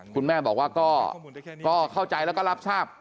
คุณแม่บอกว่าก็เข้าใจแล้วก็รับทราบ